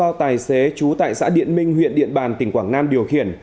xe ô tô bảy chỗ do tài xế chú tại xã điện minh huyện điện bàn tỉnh quảng nam điều khiển